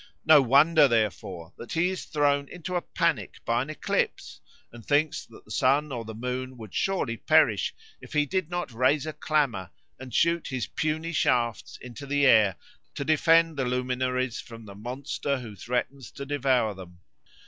No wonder, therefore, that he is thrown into a panic by an eclipse, and thinks that the sun or the moon would surely perish, if he did not raise a clamour and shoot his puny shafts into the air to defend the luminaries from the monster who threatens to devour them.